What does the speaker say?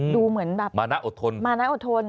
ดูเหมือนแบบมาน่าอดทน